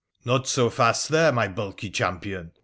' Not so fast there, my bulky champion